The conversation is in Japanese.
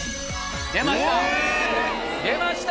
出ました。